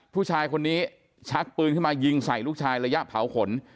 ผู้ชายคนนี้ชักปืนขึ้นมายิงใส่ลูกชายระยะเผาขน